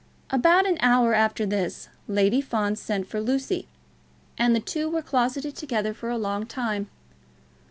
About an hour after this Lady Fawn sent for Lucy, and the two were closeted together for a long time.